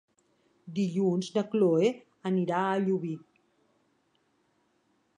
Dilluns na Cloè anirà a Llubí.